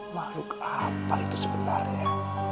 makhluk apa itu sebenarnya